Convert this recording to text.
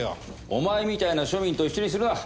お前みたいな庶民と一緒にするな！